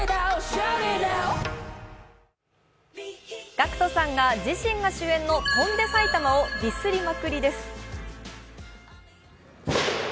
ＧＡＣＫＴさんが自身が主演の「翔んで埼玉」をディスりまくりです。